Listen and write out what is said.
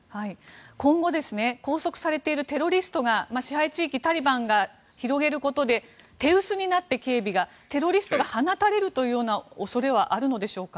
今後、拘束されているテロリストが支配地域タリバンが広げることで警備が手薄になってテロリストが放たれる恐れはあるんでしょうか？